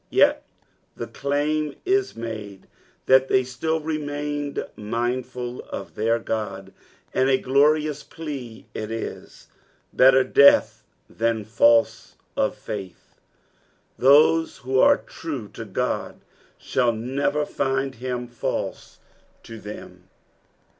Yet the claim IS made that they still remained mindful of their God, and a gloiiou* plea it is. Better death than false of faith. Those who ue true to God shall never Snd him false to them.